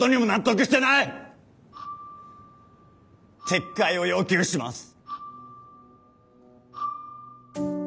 撤回を要求します！